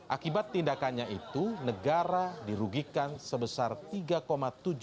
akibat tindakannya itu negara dirugikan sebesar tiga